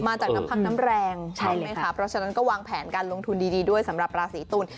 จากน้ำพักน้ำแรงใช่ไหมคะเพราะฉะนั้นก็วางแผนการลงทุนดีด้วยสำหรับราศีตุล